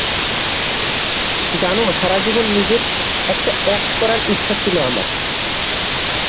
জানো, সারাজীবন নিজের একটা অ্যাক্ট করার ইচ্ছা ছিল আমার।